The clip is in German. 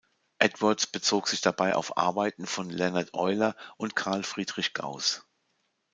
Edwards bezog sich dabei auf Arbeiten von Leonhard Euler und Carl Friedrich Gauß.